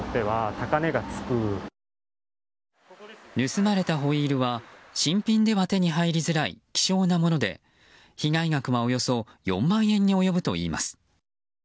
盗まれたホイールは新品では手に入りづらい希少なもので、被害額はおよそ４万円に及ぶといいます。